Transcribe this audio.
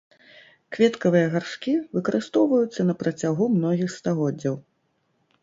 Кветкавыя гаршкі выкарыстоўваюцца на працягу многіх стагоддзяў.